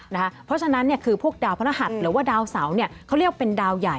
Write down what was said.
เพราะฉะนั้นพวกดาวพฤหัสหรือว่าดาวเสา